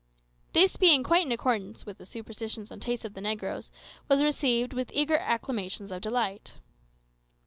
This being quite in accordance with the superstitions and tastes of the negroes, was received with eager acclamations of delight.